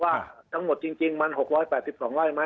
ว่าจังหวัดจริงมัน๖๘๒ไหว้ไหม